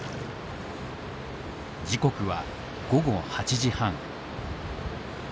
時刻は午後８時半。